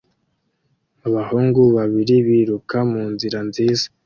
Abahungu babiri biruka munzira nziza